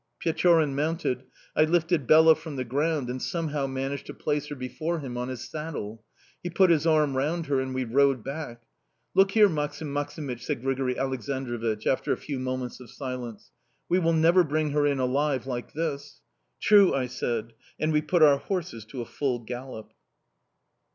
"Pechorin mounted; I lifted Bela from the ground and somehow managed to place her before him on his saddle; he put his arm round her and we rode back. "'Look here, Maksim Maksimych,' said Grigori Aleksandrovich, after a few moments of silence. 'We will never bring her in alive like this.' "'True!' I said, and we put our horses to a full gallop."